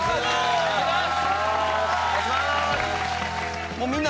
お願いします。